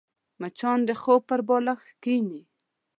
مچان د خوب پر بالښت کښېني